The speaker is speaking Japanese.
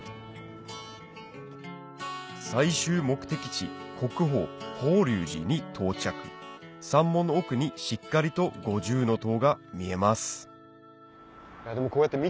最終目的地国宝法隆寺に到着山門の奥にしっかりと五重塔が見えます